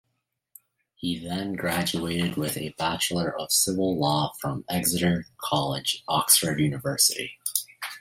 He then graduated with a Bachelor of Civil Law from Exeter College, Oxford University.